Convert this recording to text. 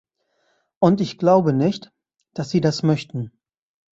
Und ich glaube nicht, dass Sie das möchten.